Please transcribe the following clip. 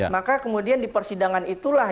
maka kemudian di persidangan itulah